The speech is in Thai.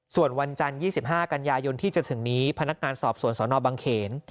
ส่วนวันจันทร์๒๕กันยายนที่จะถึงนี้พนักงานสอบสวนสนบังเขน